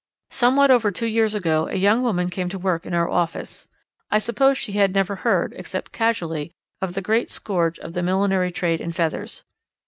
Somewhat over two years ago a young woman came to work in our office. I supposed she had never heard, except casually, of the great scourge of the millinery trade in feathers.